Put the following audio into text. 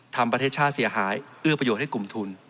ประเทศชาติเสียหายเอื้อประโยชน์ให้กลุ่มทุน